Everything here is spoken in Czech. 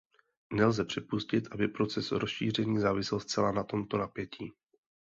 Nelze připustit, aby proces rozšíření závisel zcela na tomto napětí.